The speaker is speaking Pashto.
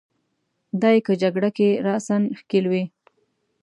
دای که جګړه کې راساً ښکېل وي.